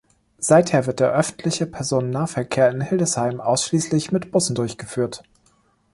Seither wird der öffentliche Personennahverkehr in Hildesheim ausschließlich mit Bussen durchgeführt.